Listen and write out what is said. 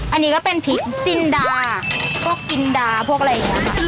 อันนี้ก็เป็นพริกจินดาพวกจินดาพวกอะไรอย่างนี้ค่ะ